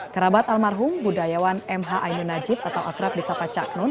kerabat almarhum budayawan m h ainu najib atau akrab di sapa caknun